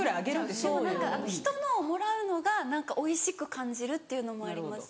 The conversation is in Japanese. でもひとのをもらうのが何かおいしく感じるというのもあります。